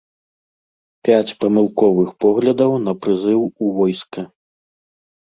Пяць памылковых поглядаў на прызыў у войска.